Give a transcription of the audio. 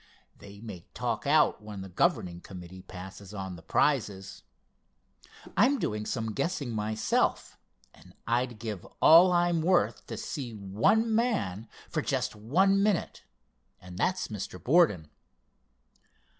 They may talk out when the governing committee passes on the prizes. I'm doing some guessing myself, and I'd give all I'm worth to see one man for just one minute, and that's Mr. Borden."